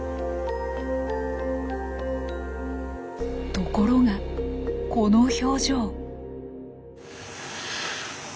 ところがこの表情。